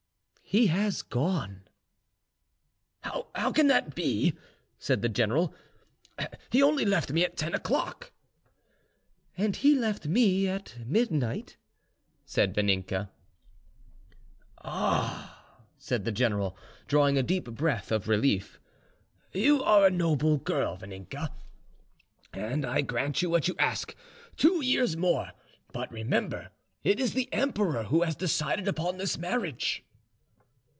"He has gone." "How can that be?" said the general: "he only left me at ten o'clock." "And he left me at midnight," said Vaninka. "Ah!" said the general, drawing a deep breath of relief, "you are a noble girl, Vaninka, and I grant you what you ask two years more. But remember it is the emperor who has decided upon this marriage."